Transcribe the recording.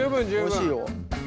おいしいよ。